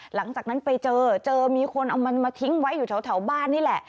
หลังจากนั้นไปเจอเจอมีคนเอามันมาทิ้งไว้อยู่แถวบ้านนี่แหละ